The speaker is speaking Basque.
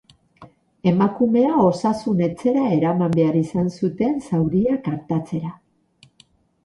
Emakumea osasun-etxera eraman behar izan zuten zauriak artatzera.